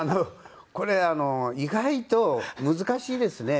これ意外と難しいですね。